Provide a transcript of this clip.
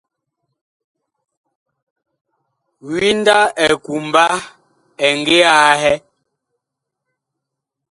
Winda ɛ kumba ɛ ngi ahɛ .